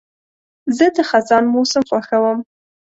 زه د خزان موسم خوښوم.